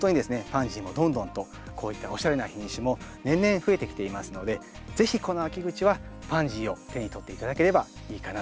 パンジーもどんどんとこういったおしゃれな品種も年々増えてきていますので是非この秋口はパンジーを手に取って頂ければいいかなと思います。